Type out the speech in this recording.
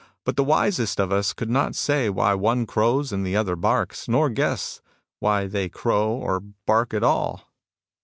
But the wisest of us could not say why one crows and the other barks, nor guess why they crow or bark at all.